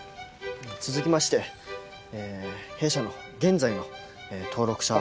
続きまして弊社の現在の登録者は。